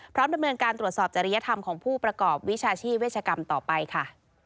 ดำเนินการตรวจสอบจริยธรรมของผู้ประกอบวิชาชีพเวชกรรมต่อไปค่ะ